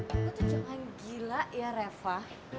lo tuh jangan gila ya reva